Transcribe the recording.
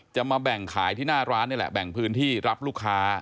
มาแบ่งขายที่หน้าร้านนี่แหละแบ่งพื้นที่รับลูกค้า